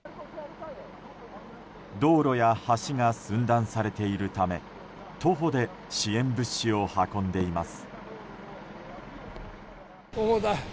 道路や橋が寸断されているため徒歩で支援物資を運んでいます。